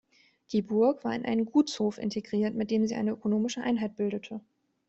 Die Burg war in einen Gutshof integriert, mit dem sie eine ökonomische Einheit bildete.